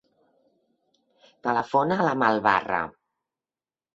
Telefona a l'Amal Barra.